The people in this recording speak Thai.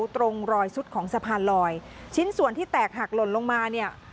ตรงรอยสุดของสะพานลอยชิ้นส่วนที่แตกหักหล่นลงมาเนี่ย